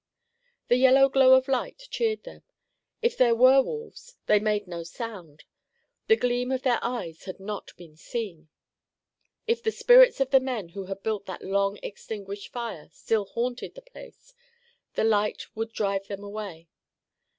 The yellow glow of light cheered them. If there were wolves they had made no sound; the gleam of their eyes had not been seen. If the spirits of the men who had built that long extinguished fire still haunted the place, the light would drive them away.